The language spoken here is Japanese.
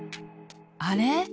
あれ？